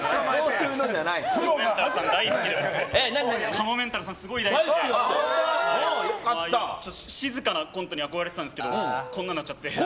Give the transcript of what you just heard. かもめんたるすごい大好きで静かなコントに憧れてたんですけどこんなんなっちゃって。